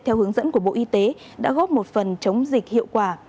theo hướng dẫn của bộ y tế đã góp một phần chống dịch hiệu quả